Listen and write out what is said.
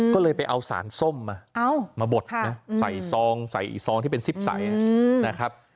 ก็เลยไปเอาสารส้มมาบดใส่ซองที่เป็นซิบใสนะครับ